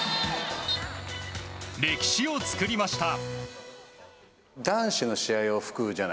歴史を作りました。